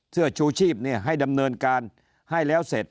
เสื้อชูชีพให้ดำเนินการให้แล้วเสร็จ